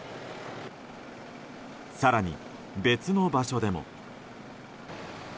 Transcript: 更に、別の場所でも。